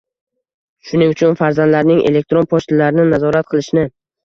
Shuning uchun farzandlarining elektron pochtalarini nazorat qilishni